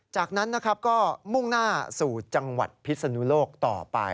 จากนั้นนะครับก็มุ่งหน้าสู่จังหวัดพิศนุโลกต่อไป